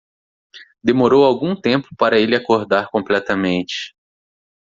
Demorou algum tempo para ele acordar completamente.